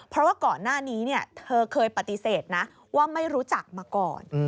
เพราะว่าก่อนหน้านี้เธอเคยปฏิเสธนะว่าไม่รู้จักมาก่อน